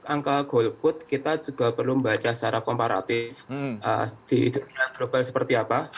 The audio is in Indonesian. angka golput kita juga perlu membaca secara komparatif di dunia global seperti apa